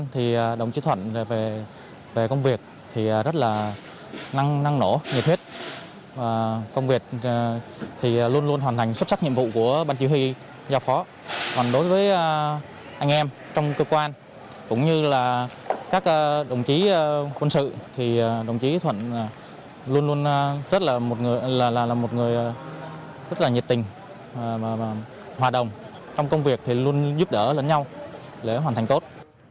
trong công việc thì luôn giúp đỡ lẫn nhau để hoàn thành tốt